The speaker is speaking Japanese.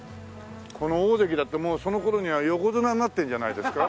このオオゼキだってもうその頃には横綱になってるんじゃないですか？